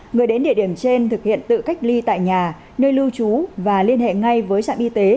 người đến địa điểm trên thực hiện tự cách ly tại nhà nơi lưu trú và liên hệ ngay với trạm y tế